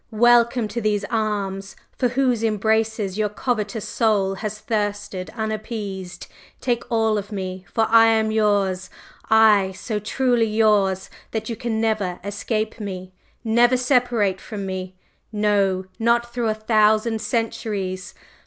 Welcome to these arms, for whose embraces your covetous soul has thirsted unappeased! Take all of me, for I am yours! aye, so truly yours that you can never escape me! never separate from me no! not through a thousand thousand centuries!